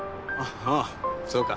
あぁそうか。